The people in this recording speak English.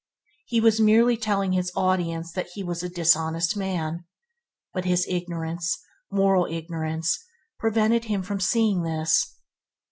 He was merely telling his audience that he was a dishonest man, but his ignorance, moral ignorance, prevented him from seeing this.